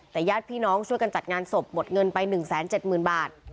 แต่ญาติพี่น้องช่วยกันจัดงานศพหมดเงินไปหนึ่งแสนเจ็ดหมื่นบาท